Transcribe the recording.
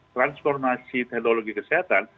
transformasi teknologi kesehatan